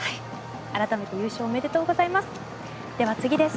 改めて優勝おめでとうございます。